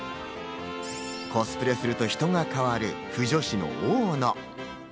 コスプレすると人が変わる腐女子の大野。